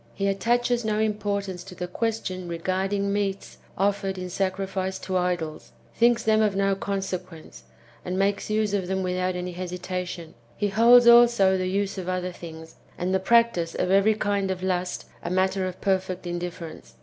He attaches no importance to [the question regarding] meats offered in sacrifice to idols, thinks them of no consequence, and makes use of them without any hesitation ; he holds also the use of other things, and the practice of every kind of lust, a matter of perfect indifference.